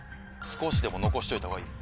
少しでも残しといたほうがいい。